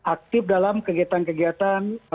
aktif dalam kegiatan kegiatan